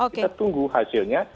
kita tunggu hasilnya